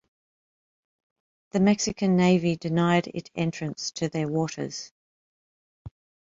The Mexican Navy denied it entrance to their waters.